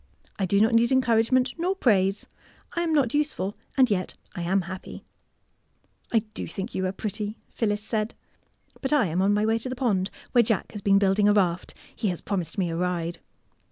I do not need encouragement nor praise. I am not useful, and yet I am happy." I do think you are pretty," Phyllis 130 THE BUTTERCUP said. '' But I am on my way to the pond, where Jack has been buildmg a raft. He has promised me a ride.''